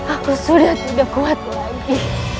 aku sudah tidak kuat lagi